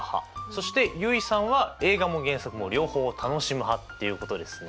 そして結衣さんは映画も原作も両方楽しむ派っていうことですね。